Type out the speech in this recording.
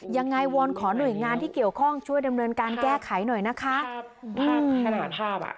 ยังไงวอนขอหน่วยงานที่เกี่ยวข้องช่วยดำเนินการแก้ไขหน่อยนะคะ